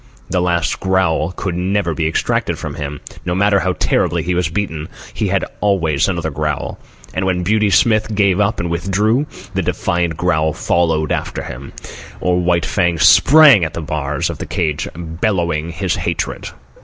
The last growl could never be extracted from him. No matter how terribly he was beaten, he had always another growl; and when Beauty Smith gave up and withdrew, the defiant growl followed after him, or White Fang sprang at the bars of the cage bellowing his hatred.